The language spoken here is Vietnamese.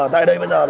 tại đây bây giờ